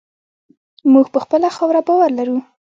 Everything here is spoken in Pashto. موږ په خپله خاوره باور لرو.